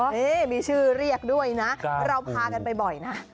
อ๋อเหรอมีชื่อเรียกด้วยนะเราพากันไปบ่อยนะกล้ามปู